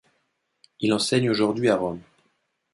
Il enseigne aujourd'hui à Rome.